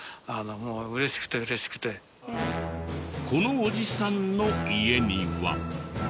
このおじさんの家には。